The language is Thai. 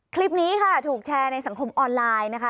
คลิปนี้ค่ะถูกแชร์ในสังคมออนไลน์นะคะ